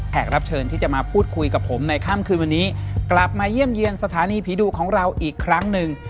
รับเชิญที่จะมาพูดคุยกับผมในค่ำคืนวันนี้กลับมาเยี่ยมเยี่ยมสถานีผีดุของเราอีกครั้งหนึ่ง